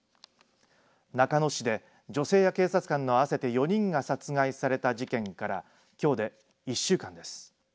中野市で女性や警察官合わせて４人が殺害された事件からきょうで１週間です。